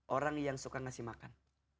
orang yang suka ngasih makan